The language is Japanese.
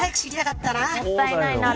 もったいないな。